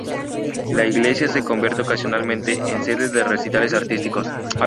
La iglesia se convierte ocasionalmente en sede de recitales artísticos.